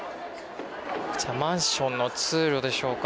マンションの通路でしょうか。